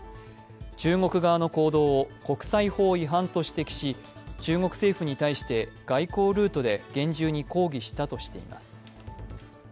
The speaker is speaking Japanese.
中国側の行動を国際法違反と指摘し中国政府に対して外交ルートで厳重に抗議したとしています。